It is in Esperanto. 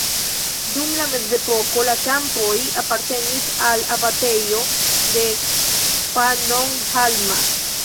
Dum la mezepoko la kampoj apartenis al abatejo de Pannonhalma.